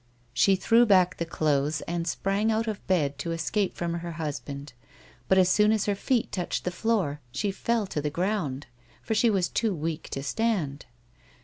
She threw back the clothes and sprang out of bed to escape from her husband ; but as soon as her feet touched the floor she fell to the ground, for she was too weak to stand.